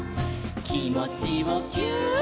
「きもちをぎゅーっ」